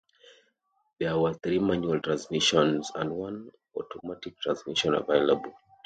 There were three manual transmissions and one automatic transmission available.